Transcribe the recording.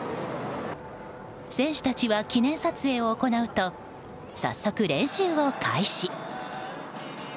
選手たちは記念撮影を行うと早速、練習を開始。